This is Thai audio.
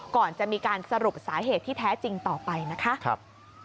ก่อนจะมีการสรุปสาเหตุที่แท้จริงต่อไปนะคะ